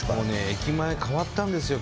駅前変わったんですよ